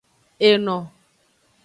Eno.